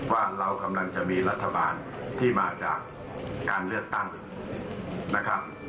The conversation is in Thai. ว่าเรากำลังจะมีรัฐบาลที่มาจากการเลือกตั้งนะครับ